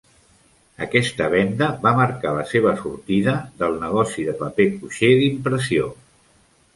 Aquesta venda va marcar la seva sortida del negoci de paper cuixé d'impressió.